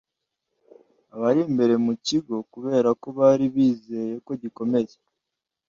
abari imbere mu kigo, kubera ko bari bizeye ko gikomeye